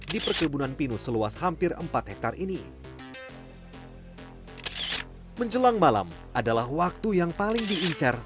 di perkebunan pinus seluas hampir empat hektare ini menjelang malam adalah waktu yang paling diincar